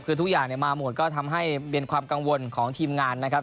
คือทุกอย่างมาหมดก็ทำให้เป็นความกังวลของทีมงานนะครับ